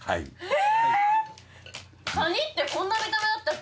え！